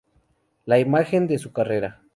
La imagen de su carrera.